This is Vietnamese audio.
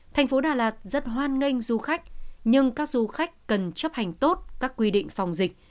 thành phố đà lạt rất hoan nghênh du khách nhưng các du khách cần chấp hành tốt các quy định phòng dịch